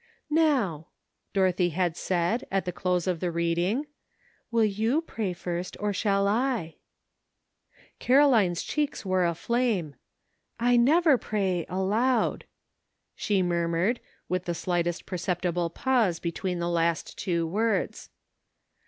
"Now," Dorothy had said, at the close of the reading, '' will you pray first, or shall I ?" Caroline's cheeks were aflame. "I never A LONG, WONDERFUL DAY. 223 pray aloud," she murmured, with the slightest perceptible pause between the last two words.